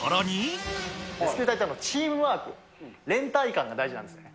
レスキュー隊ってチームワーク、連帯感が大事なんですよね。